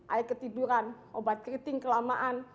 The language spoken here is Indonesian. air ketiduran obat keriting kelamaan